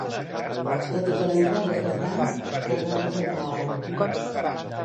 Tot i que l’entrada és de franc, caldrà reservar hora.